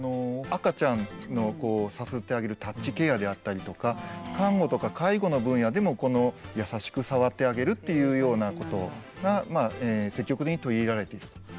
赤ちゃんのさすってあげるタッチケアであったりとか看護とか介護の分野でもこの優しく触ってあげるっていうようなことが積極的に取り入れられていると。